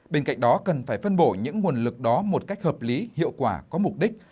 bên cạnh đó cần phải phân bổ những nguồn lực đó một cách hợp lý hiệu quả có mục đích